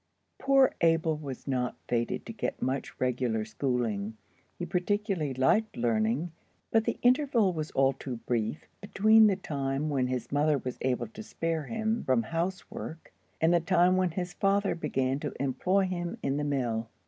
POOR Abel was not fated to get much regular schooling. He particularly liked learning, but the interval was all too brief between the time when his mother was able to spare him from housework and the time when his father began to employ him in the mill.